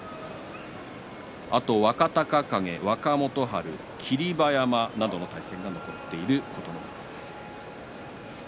あと若隆景、若元春霧馬山などの対戦が残っている琴ノ若です。